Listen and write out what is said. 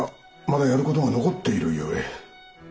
まだやる事が残っている故。